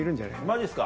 マジっすか。